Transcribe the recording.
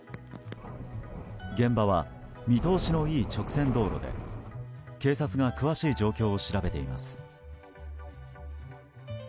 現場は見通しの良い直線道路で警察が詳しい状況を調べています。